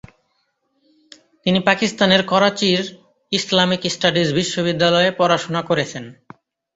তিনি পাকিস্তানের করাচির Islamic studies বিশ্ববিদ্যালয়ে পড়াশোনা করেছেন।